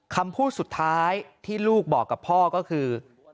คำพูดสุดท้ายที่ลูกบอกกับพ่อก็คือ